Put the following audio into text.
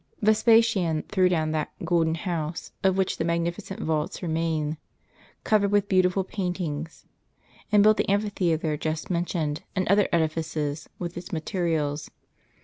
Vespasian threw down that "golden house," of which the magnificent vaults remain, covered with beautiful paintings ; and built the amphitheatre just mentioned, and other edifices, with its materials.